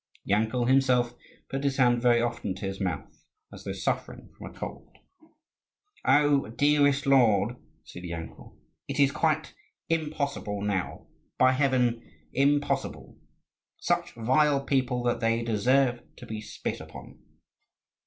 Yankel himself put his hand very often to his mouth as though suffering from a cold. "Oh, dearest lord!" said Yankel: "it is quite impossible now! by heaven, impossible! Such vile people that they deserve to be spit upon!